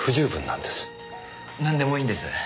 なんでもいいんです。